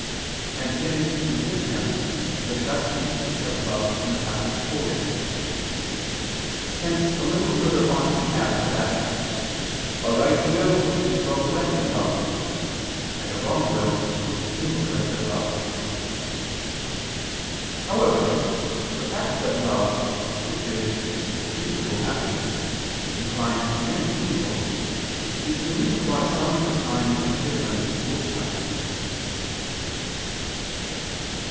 And it is in this sense that Augustine speaks of love in the passage quoted: hence a little further on he adds that "a right will is well directed love, and a wrong will is ill directed love." However, the fact that love, which is concupiscible passion, inclines many to evil, is the reason why some assigned the difference spoken of.